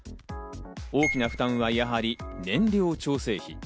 大きな負担はやはり燃料調整費。